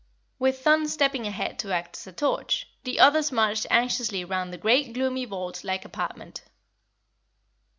With Thun stepping ahead to act as a torch, the others marched anxiously round the great gloomy vault like apartment.